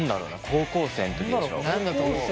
高校生の時でしょ。